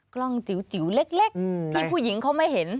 กล้องจิ๋วเล็กที่ผู้หญิงเขาไม่เห็น